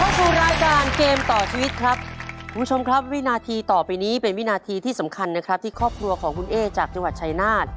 โปรดติดตามตอนต่อไป